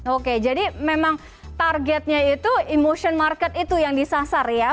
oke jadi memang targetnya itu emotion market itu yang disasar ya